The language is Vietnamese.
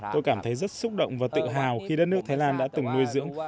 tôi cảm thấy rất xúc động và tự hào khi đất nước thái lan đã từng nuôi dưỡng